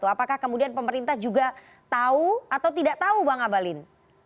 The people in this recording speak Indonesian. apakah kemudian pemerintah juga tahu atau tidak tahu bang abalin